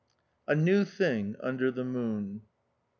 A NEW THING UNDER THE MOON.